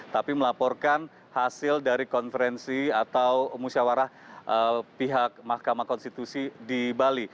tapi melaporkan hasil dari konferensi atau musyawarah pihak mahkamah konstitusi di bali